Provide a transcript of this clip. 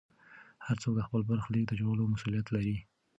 هر څوک د خپل برخلیک د جوړولو مسوولیت لري.